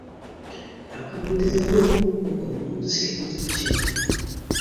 Elkenien dy't dat woe, koe komme om de skippen te besjen.